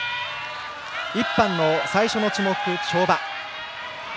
１班の最初の種目、跳馬。